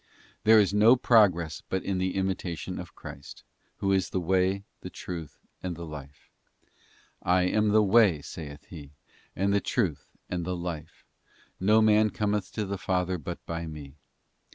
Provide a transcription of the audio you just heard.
There is no progress but in the imitation of Christ, Who is the way, the truth, and the life. 'I am the way,' saith He, 'and the truth, and the life. No man cometh to the Father but by Me.